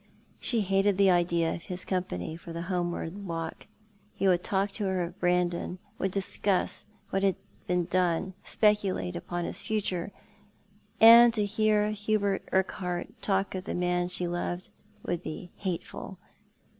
She hated the idea of his company for the liomeward walk. lie would talk to her of Brandon, would discuss what had been done, speculate upon his future, and to hear Hubert Urquhart talk of the man she loved would be hateful.